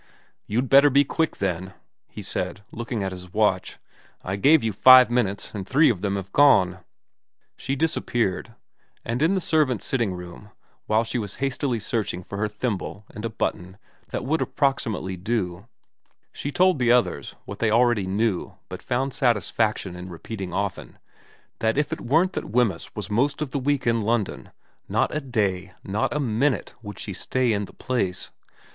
' You'd better be quick then,' he said, looking at his watch. ' I gave you five minutes, and three of them have gone.' She disappeared ; and in the servants' sitting room, while she was hastily searching for her thimble and a button that would approximately do, she told the others what they already knew but found satisfaction in repeating often, that if it weren't that Wemyss was most of the week in London, not a day, not a minute, would she stay in the place.